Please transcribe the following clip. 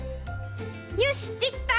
よしできた！